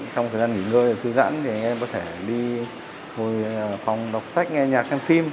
trong thời gian nghỉ ngơi thư giãn thì em có thể đi ngồi phòng đọc sách nghe nhạc xem phim